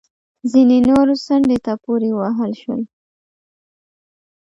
ځینې نور څنډې ته پورې ووهل شول